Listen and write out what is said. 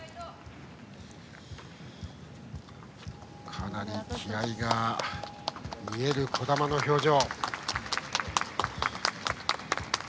かなり気合いが見える児玉の表情。